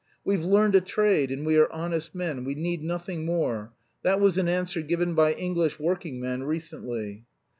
'We've learned a trade, and we are honest men; we need nothing more,' that was an answer given by English working men recently.